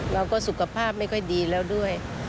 สุขภาพไม่ค่อยดีแล้วด้วย